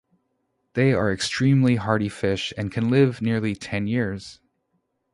They are extremely hardy fish and can live nearly ten years.